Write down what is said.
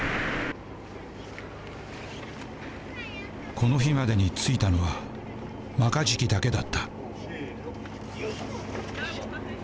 この日までに突いたのはマカジキだけだった。